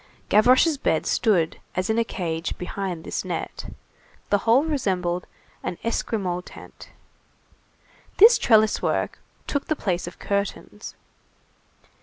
Gavroche's bed stood as in a cage, behind this net. The whole resembled an Esquimaux tent. This trellis work took the place of curtains.